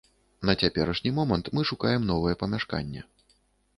На цяперашні момант мы шукаем новае памяшканне.